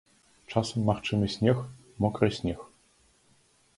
Часам магчымы снег, мокры снег.